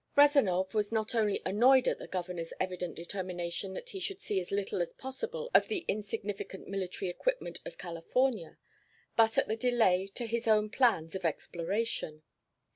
Rezanov was not only annoyed at the Governor's evident determination that he should see as little as possible of the insignificant military equipment of California, but at the delay to his own plans for exploration.